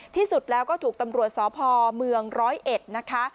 ที่สุดแล้วก็ถูกตำรวจสพเมืองร้อยเอ็ดนะคะ